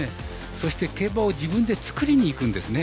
そして競馬を自分で作りにいくんですね。